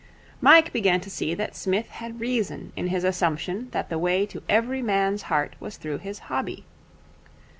Mike began to see that Psmith had reason in his assumption that the way to every man's heart was through his hobby.